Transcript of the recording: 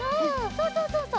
そうそうそうそう。